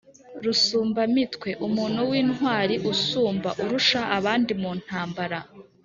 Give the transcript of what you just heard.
rusumbamitwe: umuntu w’intwari usumba (urusha) abandi mu ntambara